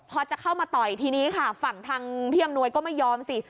พอจะเข้ามาต่อยทีนี้ค่ะฝั่งทางพี่อำนวยก็ไม่ยอมสิ